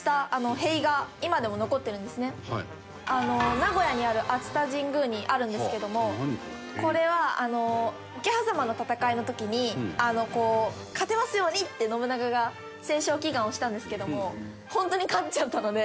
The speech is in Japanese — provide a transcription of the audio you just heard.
名古屋にある熱田神宮にあるんですけどもこれは桶狭間の戦いの時に勝てますようにって信長が戦勝祈願をしたんですけども本当に勝っちゃったので。